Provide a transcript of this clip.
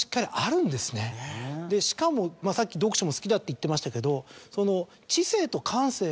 でしかもさっき読書も好きだって言ってましたけど。